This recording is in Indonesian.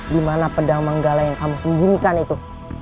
dimana pedang manggala yang kamu sembunyikan itu